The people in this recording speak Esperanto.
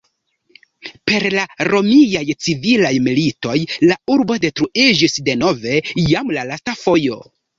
Per la Romiaj Civilaj Militoj la urbo detruiĝis denove, jam la lasta fojo.